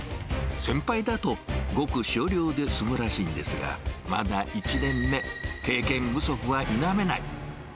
先輩だと、ごく少量で済むらしいんですが、まだ１年目、経験不足は否めない。